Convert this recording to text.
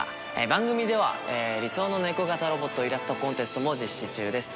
番組では理想のネコ型ロボットイラストコンテストも実施中です。